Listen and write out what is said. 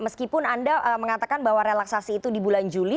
meskipun anda mengatakan bahwa relaksasi itu di bulan juli